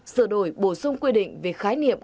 sửa đổi bổ sung quy định về khái niệm